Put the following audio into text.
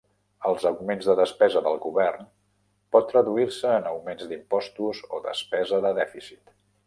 Els augments de despesa del govern pot traduir-se en augments d'impostos o despesa de dèficit.